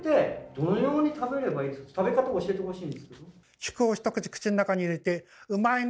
食べ方教えてほしいんですけど。